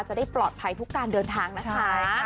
จะได้ปลอดภัยทุกการเดินทางนะคะ